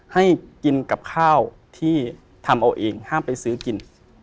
ให้กินกับข้าวที่ทำเอาเองห้ามไปซื้อกิน